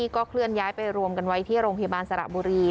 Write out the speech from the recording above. ก็เคลื่อนย้ายไปรวมกันไว้ที่โรงพยาบาลสระบุรี